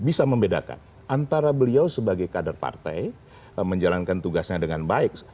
bisa membedakan antara beliau sebagai kader partai menjalankan tugasnya dengan baik